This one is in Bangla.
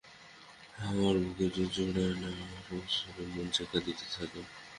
আমার বুক যে জুড়ায় না, আমার সমস্ত শরীর-মন যে কাঁদিতে থাকে।